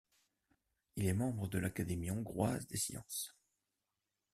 Il est membre de l'Académie hongroise des sciences.